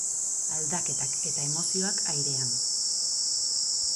Aldaketak eta emozioak airean.